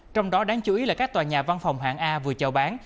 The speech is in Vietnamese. trong đó đáng chú ý là các tòa nhà văn phòng hạng a vừa chào bán